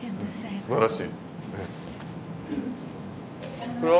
すばらしい。